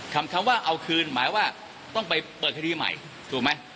คำว่าเอาคืนหมายว่าต้องไปเปิดคดีใหม่ถูกไหม